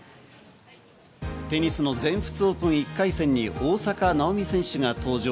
テニスの全仏オープン１回戦に大坂なおみ選手が登場。